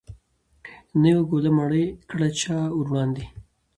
نه یوه ګوله مړۍ کړه چا وروړاندي